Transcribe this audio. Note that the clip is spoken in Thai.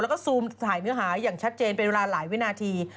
แล้วก็ซูมถ่ายเนื้อหาอย่างชัดเจนเป็นเวลาหลายวินาที